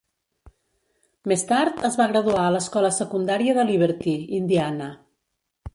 Més tard es va graduar a l'escola secundària de Liberty, Indiana.